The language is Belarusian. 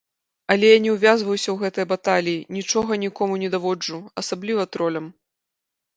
Але я не ўвязваюся ў гэтыя баталіі, нічога нікому не даводжу, асабліва тролям.